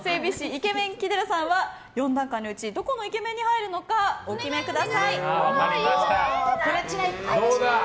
イケメン木寺さんは４段階のうちどこのイケメンに入るのかどうだ。